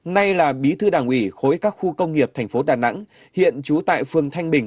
nay là bí thư đảng ủy khối các khu công nghiệp tp đà nẵng hiện trú tại phường thanh bình